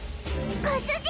ご主人！